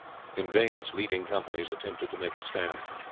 In vain its leading companies attempted to make a stand.